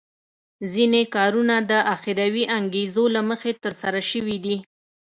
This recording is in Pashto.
ځینې کارونه د اخروي انګېزو له مخې ترسره شوي دي.